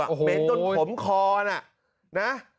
เหม็นจนขมคอนะ